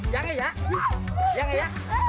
yang ini ya